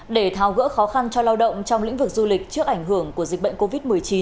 để tháo gỡ khó khăn cho lao động trong lĩnh vực du lịch trước ảnh hưởng của dịch bệnh covid một mươi chín